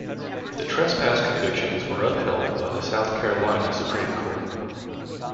The trespass convictions were upheld by the South Carolina Supreme Court.